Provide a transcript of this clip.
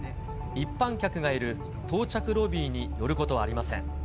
一般客がいる到着ロビーに寄ることはありません。